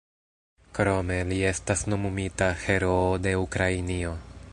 Krome li estas nomumita "Heroo de Ukrainio".